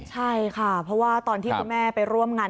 ใช่ค่ะเพราะว่าตอนที่คุณแม่ไปร่วมงาน